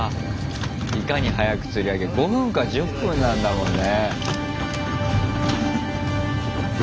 いかに早く釣り上げるか５分か１０分なんだもんね。